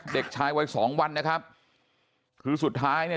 เด็กชายวัยสองวันนะครับคือสุดท้ายเนี่ย